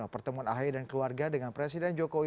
pertemuan ahy dan keluarga dengan presiden jokowi